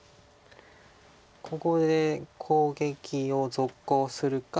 ここで攻撃を続行するか。